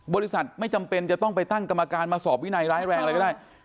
บริษัทไม่จำเป็นจะต้องไปตั้งกรรมการมาสอบวินัยร้ายแรงอะไรก็ได้